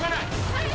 はい。